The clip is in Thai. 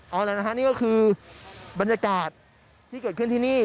เอาละนะฮะนี่ก็คือบรรยากาศที่เกิดขึ้นที่นี่